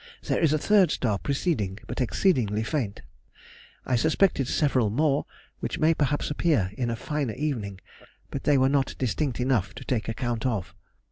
There is a third star preceding, but exceedingly faint. I suspected several more, which may perhaps appear in a finer evening, but they were not distinct enough to take account of.